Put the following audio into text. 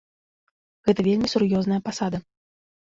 Гэта вельмі сур'ёзная пасада.